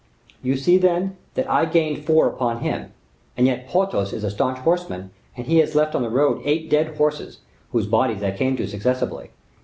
"You see, then, that I gained four upon him; and yet Porthos is a staunch horseman, and he has left on the road eight dead horses, whose bodies I came to successively.